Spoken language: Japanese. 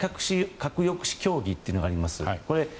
核抑止協議というのがあります。